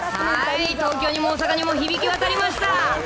東京にも、大阪にも響き渡りました。